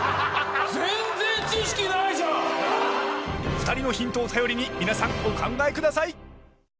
２人のヒントを頼りに皆さん、お考えください！